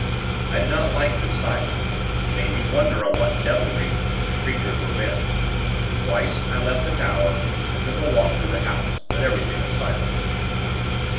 I did not like this silence; it made me wonder on what devilry the creatures were bent. Twice, I left the tower, and took a walk through the house; but everything was silent.